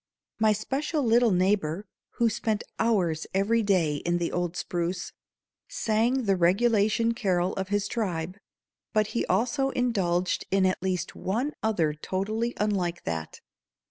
My special little neighbor, who spent hours every day in the old spruce, sang the regulation carol of his tribe, but he also indulged in at least one other totally unlike that.